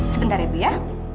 sebentar ya bu ya